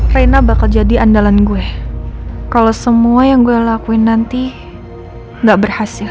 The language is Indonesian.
reina bakal jadi andalan gue kalau semua yang gue lakuin nanti enggak berhasil